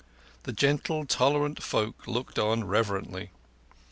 The gentle, tolerant folk looked on reverently.